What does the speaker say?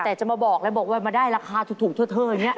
แต่จะมาบอกแล้วบอกว่ามาได้ราคาถูกเทอะอย่างนี้